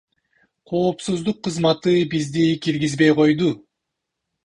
Коопсуздук кызматы бизди киргизбей койду.